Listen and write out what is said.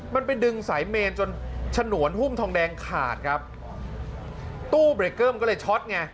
มันไปดึงสายเมนจนฉนวนหุ้มทองแดงขาดครับตู้เบรกเกอร์มันก็เลยช็อตไง